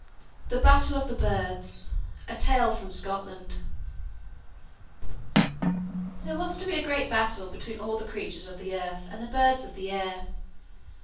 The Battle of the Birds There was to be a great battle between all the creatures of the earth and the birds of the air.